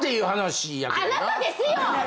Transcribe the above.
あなたですよ！